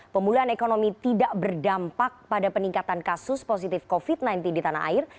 pemulihan ekonomi tidak berdampak pada peningkatan kasus positif covid sembilan belas di tanah air